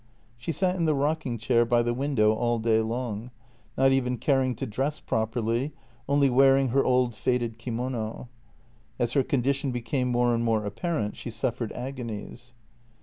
She sat in the rocking chair by the window all day long, not even caring to dress properly, only wearing her old faded kimono. As her condition became more and more apparent she suffered agonies.